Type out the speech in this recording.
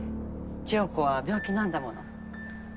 千世子は病気なんだもの。